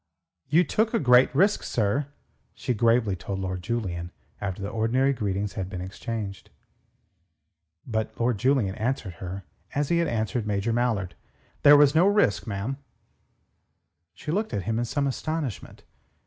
"You took a great risk, sir," she gravely told Lord Julian after the ordinary greetings had been exchanged. But Lord Julian answered her as he had answered Major Mallard. "There was no risk, ma'am." She looked at him in some astonishment.